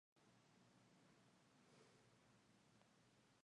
Takumi Watanabe